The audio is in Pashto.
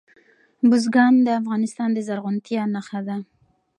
بزګان د افغانستان د زرغونتیا نښه ده.